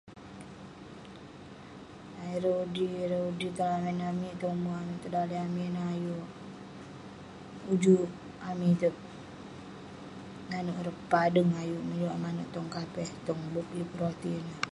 Ireh udi [unintelligible] [unintelligible] [unintelligible] ayuk ujuk amik itouk nanouk ireh padeng ayuk neh manouk kapeh tong bup. Yeng pun roti neh.